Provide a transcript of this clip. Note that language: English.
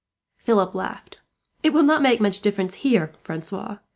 Philip laughed. "It will not make much difference here, Francois.